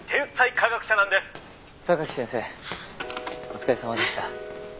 お疲れさまでした。